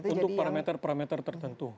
untuk parameter parameter tertentu